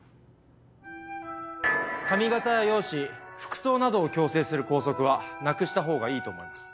髪形や容姿服装などを強制する校則はなくしたほうがいいと思います。